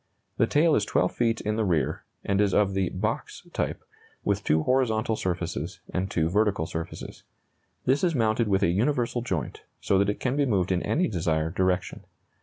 The tail is 12 feet in the rear, and is of the "box" type, with two horizontal surfaces and two vertical surfaces. This is mounted with a universal joint, so that it can be moved in any desired direction.